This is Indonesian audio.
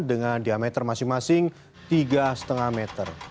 dengan diameter masing masing tiga lima meter